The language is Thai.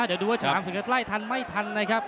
เดี๋ยวดูว่าฉลามศึกไล่ทันไม่ทันนะครับ